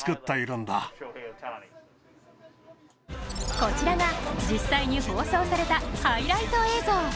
こちらが実際に放送されたハイライト映像。